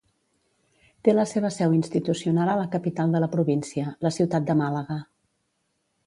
Té la seva seu institucional a la capital de la província, la ciutat de Màlaga.